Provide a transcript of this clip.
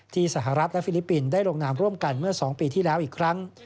สหรัฐและฟิลิปปินส์ได้ลงนามร่วมกันเมื่อ๒ปีที่แล้วอีกครั้ง